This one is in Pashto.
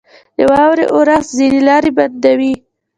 • د واورې اورښت ځینې لارې بندوي.